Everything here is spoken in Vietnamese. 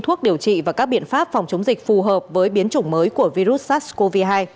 thuốc điều trị và các biện pháp phòng chống dịch phù hợp với biến chủng mới của virus sars cov hai